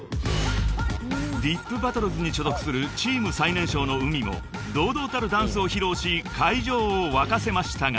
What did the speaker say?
［ｄｉｐＢＡＴＴＬＥＳに所属するチーム最年少のＵＭＩも堂々たるダンスを披露し会場を沸かせましたが］